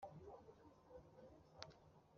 Muzigura wizihiwe n'uruziga